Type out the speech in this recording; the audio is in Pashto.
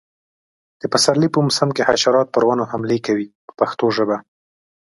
د پسرلي په موسم کې حشرات پر ونو حملې کوي په پښتو ژبه.